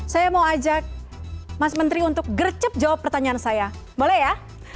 saya mau ajak mas menteri untuk gercep jawab pertanyaan saya boleh ya